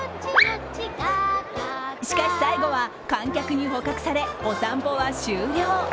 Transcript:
しかし最後は観客に捕獲されお散歩は終了。